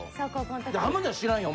浜田知らんやん。